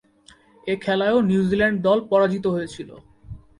এ খেলায়ও নিউজিল্যান্ড দল পরাজিত হয়েছিল।